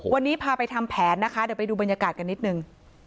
วันนี้พาไปทำแผนนะคะเดี๋ยวไปดูบรรยากาศกันนิดนึง